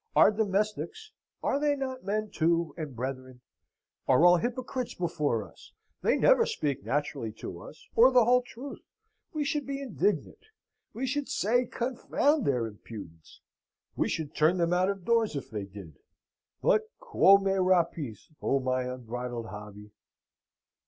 Our domestics (are they not men, too, and brethren?) are all hypocrites before us. They never speak naturally to us, or the whole truth. We should be indignant: we should say, confound their impudence: we should turn them out of doors if they did. But quo me rapis, O my unbridled hobby?